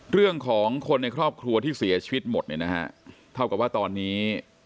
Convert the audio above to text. เรื่องของคนในครอบครัวที่เสียชีวิตหมดเนี่ยนะฮะเท่ากับว่าตอนนี้